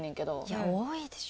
いや多いでしょ。